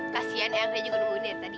kasian eyang ria juga nungguin dia tadi